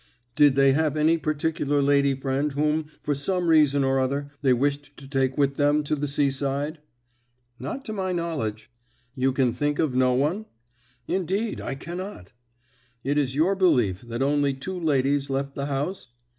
"Did they have any particular lady friend whom, for some reason or other, they wished to take with them to the seaside?" "Not to my knowledge." "You can think of no one?" "Indeed, I cannot." "It is your belief that only two ladies left the house?'